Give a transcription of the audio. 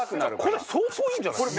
これ相当いいんじゃないですか？